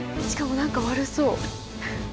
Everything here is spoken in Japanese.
しかも何か悪そう。